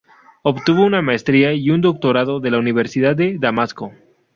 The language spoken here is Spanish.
Obtuvo una maestría y un doctorado de la Universidad de Damasco.